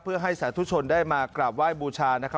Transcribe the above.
เพื่อให้สาธุชนได้มากราบไหว้บูชานะครับ